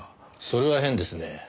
それは変ですね。